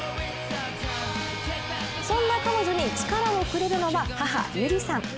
そんな彼女に力をくれるのは母・有里さん。